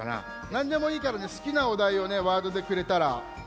なんでもいいからねすきなおだいをねワードでくれたら。